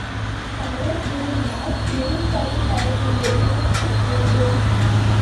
பலர் கூடினால், பெரும்பயன் தரக்கூடிய பேச்சு வேண்டும்.